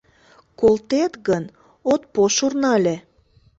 Колтет гын, от пошырно ыле.